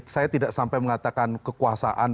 saya tidak sampai mengatakan kekuasaan